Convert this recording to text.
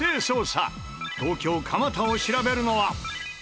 東京蒲田を調べるのは。